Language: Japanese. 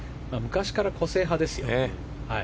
昔から個性派ですよね。